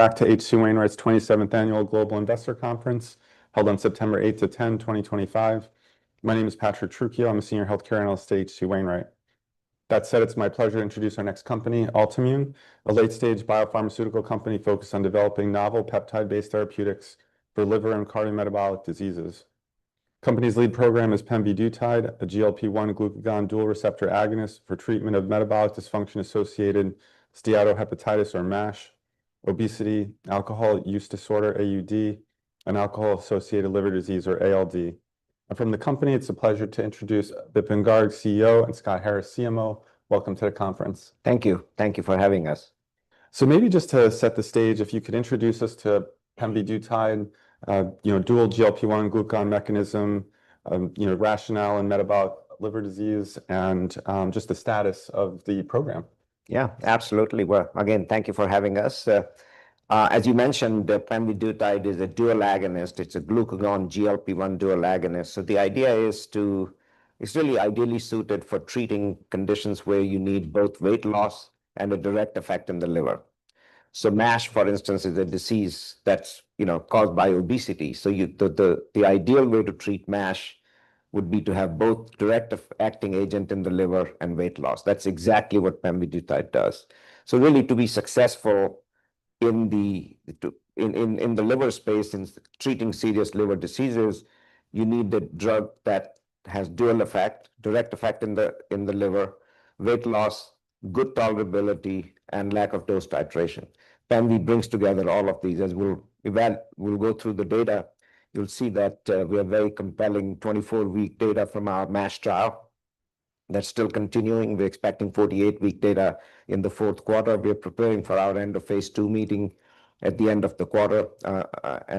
Back to H.C. Wainwright & Co.'s 27th Annual Global Investor Conference held on September 8th to 10th, 2025. My name is Patrick Trucchio. I'm a senior healthcare analyst at H.C. Wainwright & Co. That said, it's my pleasure to introduce our next company, Altimmune, a late-stage biopharmaceutical company focused on developing novel peptide-based therapeutics for liver and cardiometabolic diseases. The company's lead program is pemvidutide, a GLP-1 glucagon dual receptor agonist for treatment of metabolic dysfunction associated with steatohepatitis, or MASH, obesity, alcohol use disorder, AUD, and alcohol-associated liver disease, or ALD. From the company, it's a pleasure to introduce Vipin Garg, CEO, and Scott Harris, CMO. Welcome to the conference. Thank you. Thank you for having us. So maybe just to set the stage, if you could introduce us to pemvidutide, you know, dual GLP-1 glucagon mechanism, you know, rationale in metabolic liver disease, and just the status of the program. Yeah, absolutely. Well, again, thank you for having us. As you mentioned, pemvidutide is a dual agonist. It's a glucagon-GLP-1 dual agonist. So the idea is to, it's really ideally suited for treating conditions where you need both weight loss and a direct effect in the liver. So MASH, for instance, is a disease that's caused by obesity. So the ideal way to treat MASH would be to have both direct-acting agent in the liver and weight loss. That's exactly what pemvidutide does. So really, to be successful in the liver space, in treating serious liver diseases, you need the drug that has dual effect, direct effect in the liver, weight loss, good tolerability, and lack of dose titration. Pembi brings together all of these. As we'll go through the data, you'll see that we have very compelling 24-week data from our MASH trial. That's still continuing. We're expecting 48-week data in the fourth quarter. We're preparing for our end of phase II meeting at the end of the quarter,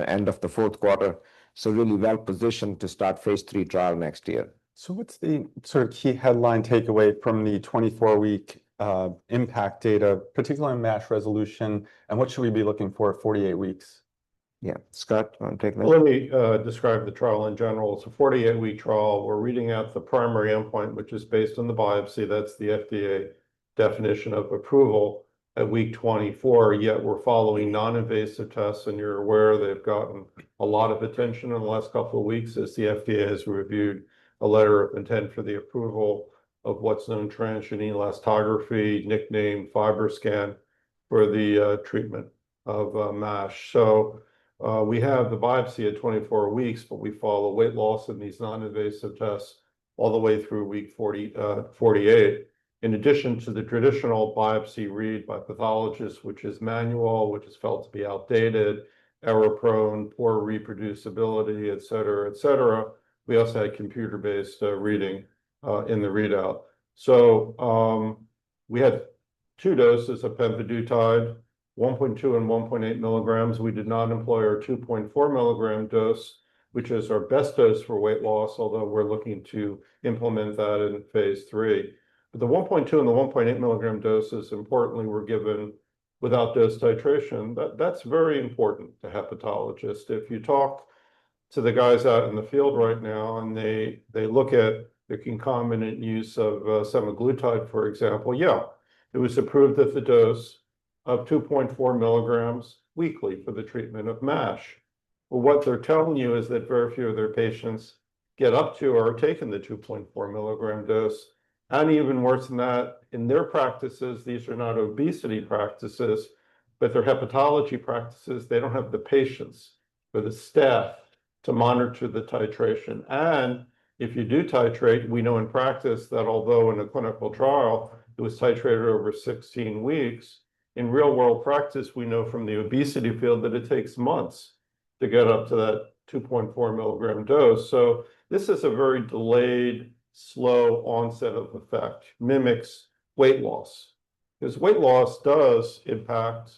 end of the fourth quarter. So really well positioned to start phase III trial next year. What's the sort of key headline takeaway from the 24-week impact data, particularly on MASH resolution, and what should we be looking for at 48 weeks? Yeah, Scott, you want to take that? Let me describe the trial in general. It's a 48-week trial. We're reading out the primary endpoint, which is based on the biopsy. That's the FDA definition of approval at week 24. Yet we're following non-invasive tests, and you're aware they've gotten a lot of attention in the last couple of weeks as the FDA has reviewed a letter of intent for the approval of what's known transient elastography, nicknamed FibroScan, for the treatment of MASH, so we have the biopsy at 24 weeks, but we follow weight loss in these non-invasive tests all the way through week 48. In addition to the traditional biopsy read by pathologists, which is manual, which is felt to be outdated, error-prone, poor reproducibility, et cetera, et cetera, we also had computer-based reading in the readout, so we had two doses of pemvidutide, 1.2 and 1.8 mg. We did not employ our 2.4 mg dose, which is our best dose for weight loss, although we're looking to implement that in phase III. But the 1.2 and the 1.8 milligram doses, importantly, were given without dose titration. That's very important to hepatologists. If you talk to the guys out in the field right now and they look at the concomitant use of semaglutide, for example, yeah, it was approved at the dose of 2.4 mgs weekly for the treatment of MASH. Well, what they're telling you is that very few of their patients get up to or are taking the 2.4 mg dose. And even worse than that, in their practices, these are not obesity practices, but they're hepatology practices. They don't have the patients or the staff to monitor the titration. And if you do titrate, we know in practice that although in a clinical trial, it was titrated over 16 weeks, in real-world practice, we know from the obesity field that it takes months to get up to that 2.4 mg dose. So this is a very delayed, slow onset of effect. It mimics weight loss. Because weight loss does impact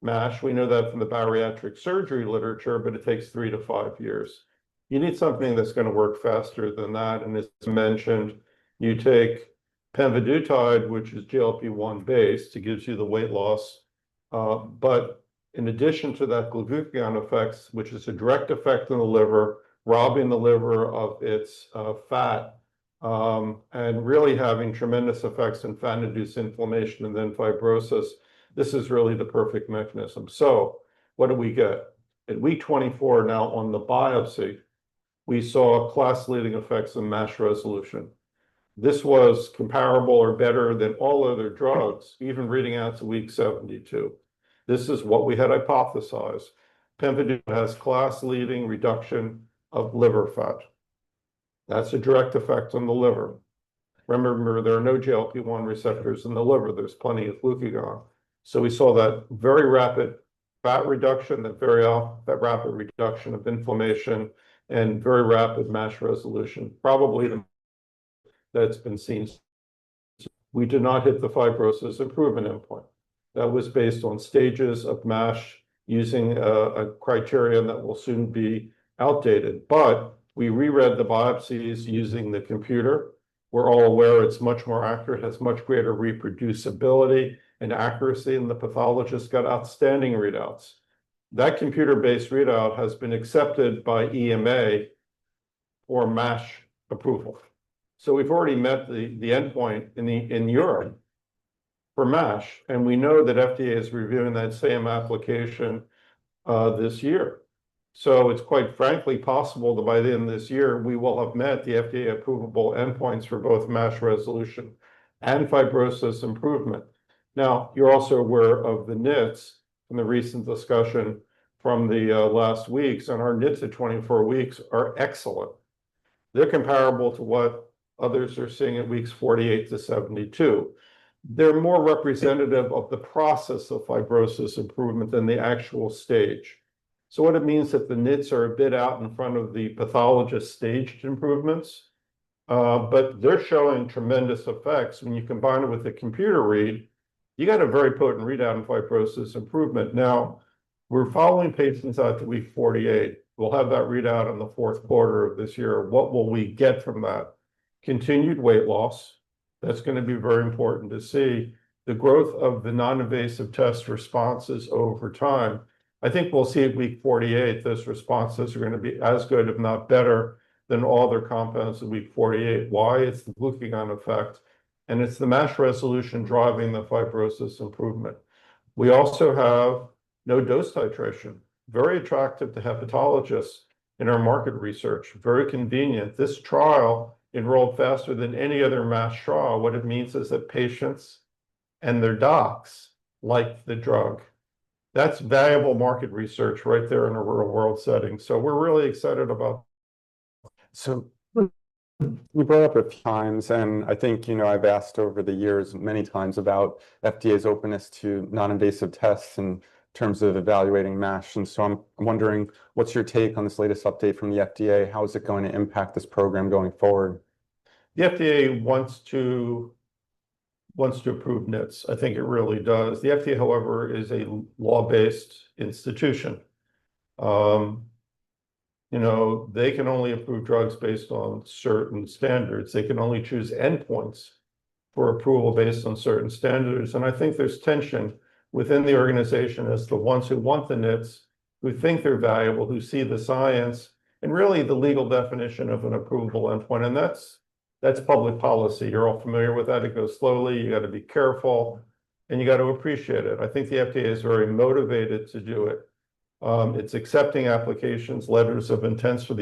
MASH. We know that from the bariatric surgery literature, but it takes three to five years. You need something that's going to work faster than that. And as mentioned, you take pemvidutide, which is GLP-1-based. It gives you the weight loss. But in addition to that glucagon effects, which is a direct effect on the liver, robbing the liver of its fat, and really having tremendous effects in fat-induced inflammation and then fibrosis, this is really the perfect mechanism. So what do we get? At week 24, now on the biopsy, we saw class-leading effects in MASH resolution. This was comparable or better than all other drugs, even reading out to week 72. This is what we had hypothesized. pemvidutide has class-leading reduction of liver fat. That's a direct effect on the liver. Remember, there are no GLP-1 receptors in the liver. There's plenty of glucagon. So we saw that very rapid fat reduction, that very rapid reduction of inflammation, and very rapid MASH resolution. Probably the most that's been seen since. We did not hit the fibrosis improvement endpoint. That was based on stages of MASH using a criterion that will soon be outdated. But we reread the biopsies using the computer. We're all aware it's much more accurate, has much greater reproducibility and accuracy, and the pathologist got outstanding readouts. That computer-based readout has been accepted by EMA for MASH approval. We've already met the endpoint in Europe for MASH, and we know that FDA is reviewing that same application this year, so it's quite frankly possible that by the end of this year, we will have met the FDA-approvable endpoints for both MASH resolution and fibrosis improvement. Now, you're also aware of the NITs and the recent discussion from the last weeks, and our NITs at 24 weeks are excellent. They're comparable to what others are seeing at weeks 48-72. They're more representative of the process of fibrosis improvement than the actual stage, so what it means is that the NITs are a bit out in front of the pathologist-staged improvements, but they're showing tremendous effects. When you combine it with the computer read, you got a very potent readout in fibrosis improvement. Now, we're following patients out to week 48. We'll have that readout in the fourth quarter of this year. What will we get from that? Continued weight loss. That's going to be very important to see. The growth of the non-invasive test responses over time. I think we'll see at week 48, those responses are going to be as good, if not better, than all their compounds at week 48. Why? It's the glucagon effect, and it's the MASH resolution driving the fibrosis improvement. We also have no dose titration. Very attractive to hepatologists in our market research. Very convenient. This trial enrolled faster than any other MASH trial. What it means is that patients and their docs like the drug. That's valuable market research right there in a real-world setting. So we're really excited about. So, you brought it up a few times, and I think, you know, I've asked over the years many times about FDA's openness to non-invasive tests in terms of evaluating MASH. And so I'm wondering, what's your take on this latest update from the FDA? How is it going to impact this program going forward? The FDA wants to approve NITs. I think it really does. The FDA, however, is a law-based institution. You know, they can only approve drugs based on certain standards. They can only choose endpoints for approval based on certain standards, and I think there's tension within the organization as the ones who want the NITs, who think they're valuable, who see the science, and really the legal definition of an approval endpoint, and that's public policy. You're all familiar with that. It goes slowly. You got to be careful, and you got to appreciate it. I think the FDA is very motivated to do it. It's accepting applications, letters of intent for the.